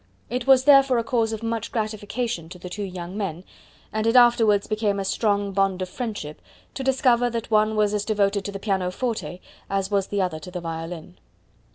It was therefore a cause of much gratification to the two young men, and it afterwards became a strong bond of friendship, to discover that one was as devoted to the pianoforte as was the other to the violin.